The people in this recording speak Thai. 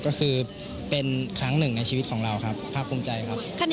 ก็คือเป็นครั้งหนึ่งในชีวิตของเราครับภาคภูมิใจครับ